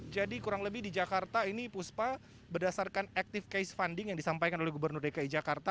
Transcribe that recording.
jadi kurang lebih di jakarta ini puspa berdasarkan active case funding yang disampaikan oleh gubernur dki jakarta